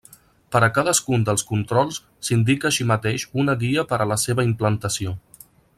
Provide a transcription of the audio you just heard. Per a cadascun dels controls s'indica així mateix una guia per a la seva implantació.